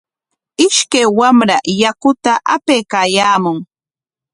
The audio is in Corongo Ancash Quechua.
Ishkaq wamra yakuta apaykaayaamun.